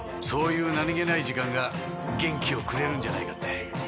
そういう何げない時間が元気をくれるんじゃないかって。